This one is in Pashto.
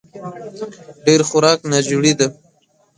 ډېر خوراک ناجوړي ده